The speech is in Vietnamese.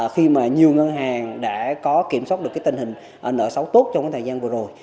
khi mà nhiều ngân hàng đã có kiểm soát được tình hình nợ xấu tốt trong thời gian vừa rồi